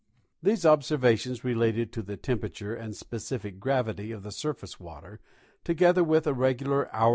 These observations related to the temperature and specific gravity of the surface water, together with a regular hourly 22— Nat.